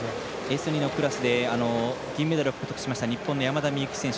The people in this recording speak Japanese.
Ｓ２のクラスで銀メダルを獲得した日本の山田美幸選手。